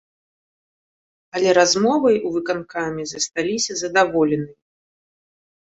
Але размовай у выканкаме засталіся задаволеныя.